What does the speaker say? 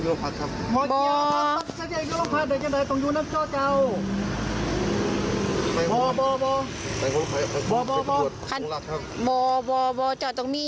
โรงผักครับบอบอบอบอบอบอบอบอบอบอจอดตรงนี้